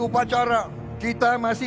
upacara kita masih